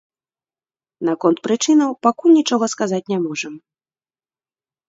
Наконт прычынаў пакуль нічога сказаць не можам.